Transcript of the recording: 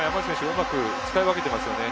うまく使い分けていますよね。